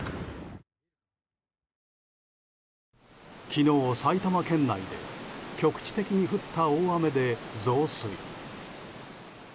昨日、埼玉県内で局地的に降った大雨で増水。